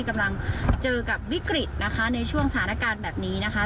กำลังเจอกับวิกฤตนะคะในช่วงสถานการณ์แบบนี้นะคะ